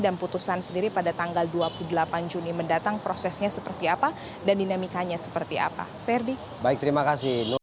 dan putusan sendiri pada tanggal dua puluh delapan juni mendatang prosesnya seperti apa dan dinamikanya seperti apa